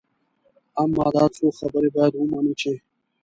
اما دا څو خبرې باید ومنو چې.